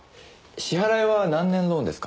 支払いは何年ローンですか？